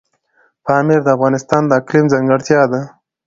پامیر د افغانستان د اقلیم ځانګړتیا ده.